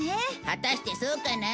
果たしてそうかな？